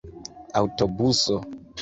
aŭtobuso